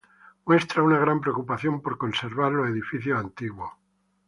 Muestra una gran preocupación por conservar los edificios antiguos.